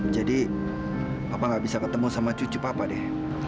jadi papa nggak bisa ketemu sama cucu papa deh